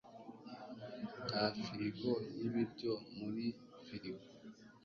Nta firigo y'ibiryo muri firigo.